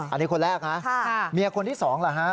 อันนี้คนแรกนะมีคนที่๒หรือฮะ